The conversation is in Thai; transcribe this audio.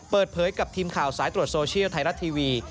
เปิดเผยกับทีมข่าวสายตรวจโซเชียลไทยรัฐทีวี